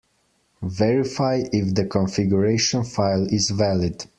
Verify if the configuration file is valid.